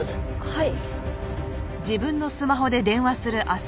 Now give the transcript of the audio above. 「はい」